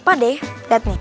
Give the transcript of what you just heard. pak d lihat nih